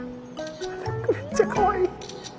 めっちゃかわいい。